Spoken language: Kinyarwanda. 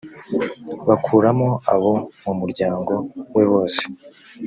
bakuramo abo mu muryango we bose